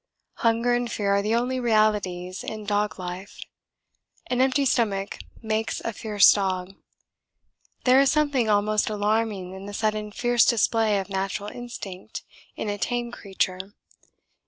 Hunger and fear are the only realities in dog life: an empty stomach makes a fierce dog. There is something almost alarming in the sudden fierce display of natural instinct in a tame creature.